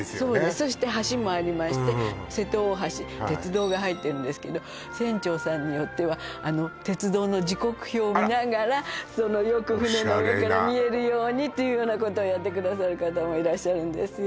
そして橋もありまして瀬戸大橋鉄道が入ってるんですけど船長さんによっては鉄道の時刻表を見ながらよく船の上から見えるようにっていうようなことをやってくださる方もいらっしゃるんですよ